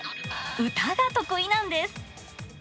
歌が得意なんです。